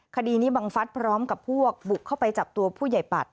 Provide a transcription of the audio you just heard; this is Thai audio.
คดีนี้บังฟัฐพร้อมกับพวกบุกเข้าไปจับตัวผู้ใหญ่ปัด